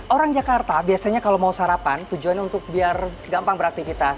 orang jakarta biasanya kalau mau sarapan tujuannya untuk biar gampang beraktivitas